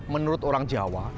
menurut orang jawa